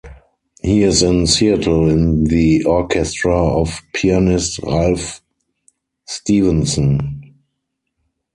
He is in Seattle in the orchestra of pianist Ralph Stevenson.